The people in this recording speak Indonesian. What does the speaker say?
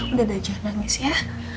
udah dajah nangis ya